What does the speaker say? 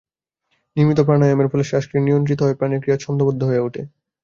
নিয়মিত প্রাণায়ামের ফলে শ্বাসক্রিয়া নিয়ন্ত্রিত হয়, প্রাণের ক্রিয়া ছন্দোবদ্ধ হইয়া উঠে।